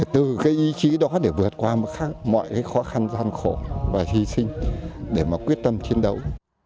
từ cái ý chí đó để vượt qua mọi cái khó khăn gian khổ và hy sinh để mà quyết tâm chiến đấu